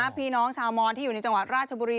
พี่น้องชาวมอนที่อยู่ในจังหวัดราชบุรี